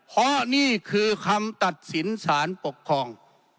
เพราะนี่คือคำตัดสินสารปกครอง